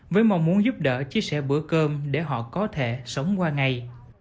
với mong muốn giúp đỡ chia sẻ bữa cơm để họ có thể sống qua ngày